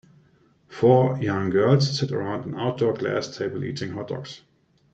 Four young girls sit around an outdoor glass table eating hotdogs.